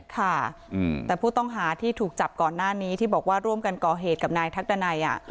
ค่ะแต่ผู้ต้องหาที่ถูกจับก่อนหน้านี้ที่บอกว่าร่วมกันก่อเหตุกับนายทักดันัย